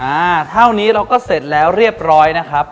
อ่าเท่านี้เราก็เสร็จแล้วเรียบร้อยนะครับ